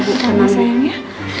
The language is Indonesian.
makasih ya sayang ya